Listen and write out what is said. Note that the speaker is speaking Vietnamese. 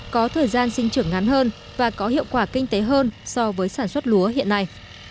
có thời gian sinh trưởng ngắn hơn và có hiệu quả kinh tế hơn so với sản xuất lúa hiện nay